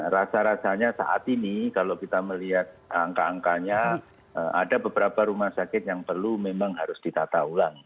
rasa rasanya saat ini kalau kita melihat angka angkanya ada beberapa rumah sakit yang perlu memang harus ditata ulang